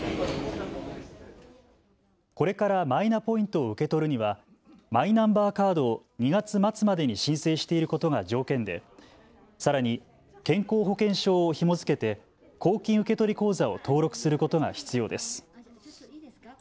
これからマイナポイントを受け取るにはマイナンバーカードを２月末までに申請していることが条件でさらに健康保険証をひも付けて公金受取口座を登録することが必要です。